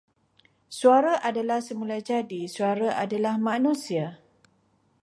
Suara adalah semulajadi, suara adalah manusia.